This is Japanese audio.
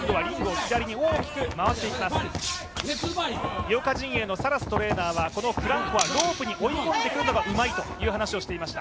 井岡陣営のサラストレーナーはフランコはロープに追い込んでくるのがうまいと話していました。